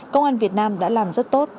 công an việt nam đã làm rất tốt